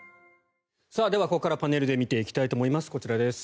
ではここから、パネルで見ていきたいと思います。